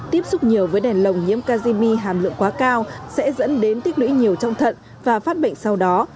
tiếp xúc nhiều với đèn lồng nhiễm kazimi hàm lượng quá cao sẽ dẫn đến tích lũy nhiều trong thận và phát bệnh sau đó